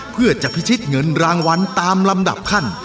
เพื่อจะพิชิตเงินรางวัลตามลำดับขั้น